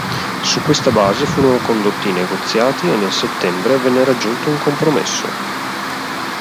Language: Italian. Su questa base furono condotti i negoziati e nel settembre venne raggiunto un compromesso.